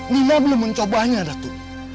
nina belum mencobanya datu